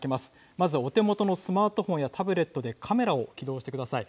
まず、お手元のスマートフォンやタブレットでカメラを起動してください。